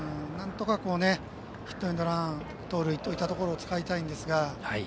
なんとかヒットエンドラン盗塁というところを使いたいんですが。